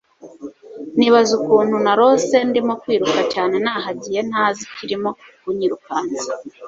nibaza ukuntu narose ndimo kwiruka cyane nahagiye ntazi ikirimo kunyirukansa